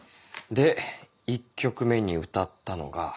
で１曲目に歌ったのが。